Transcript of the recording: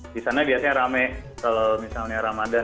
di sana biasanya rame kalau misalnya ramadan